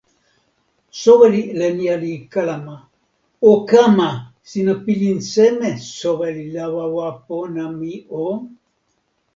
"soweli Lenja li kalama: "o kama! sina pilin seme, soweli Lawawa pona mi o?"